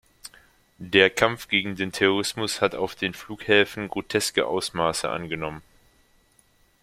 Der Kampf gegen den Terrorismus hat auf den Flughäfen groteske Ausmaße angenommen.